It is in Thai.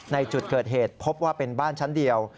ในจุดเกิดเหตุพบว่าเป็นบ้านชั้นเดียว